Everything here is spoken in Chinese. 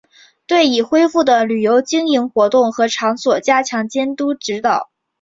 对已恢复的旅游经营活动和场所加强监督指导